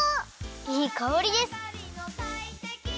いいかおりです。